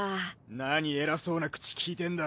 なに偉そうな口きいてんだ。